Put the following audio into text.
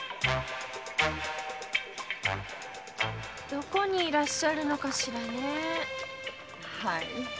どこにいらっしゃるのかしら。